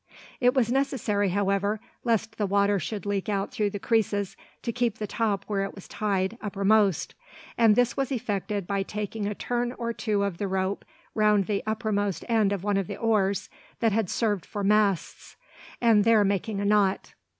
It was necessary, however, lest the water should leak out through the creases, to keep the top where it was tied, uppermost; and this was effected by taking a turn or two of the rope round the uppermost end of one of the oars, that had served for masts, and there making a knot.